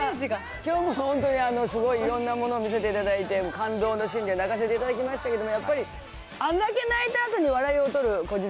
きょうも本当にすごいいろんなもの見せていただいて、感動のシーンで泣かせていただきましたけど、やっぱりあんだけ泣いたあとに笑いを取る、こじるり